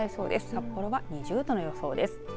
札幌は２０度の予想です。